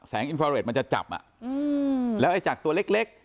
แสงอินฟาเรทมันจะจับอ่ะอืมแล้วไอ้จากตัวเล็กเล็ก